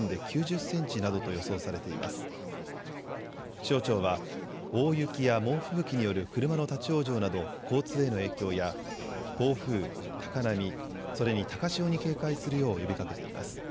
気象庁は大雪や猛吹雪による車の立往生など交通への影響や暴風、高波それに高潮に警戒するよう呼びかけています。